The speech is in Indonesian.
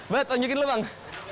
bet tunjukin dulu bang